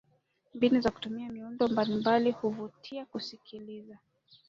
mbinu za kutumia miundo mbalimbali huvutia kusikiliza